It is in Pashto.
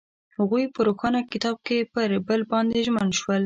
هغوی په روښانه کتاب کې پر بل باندې ژمن شول.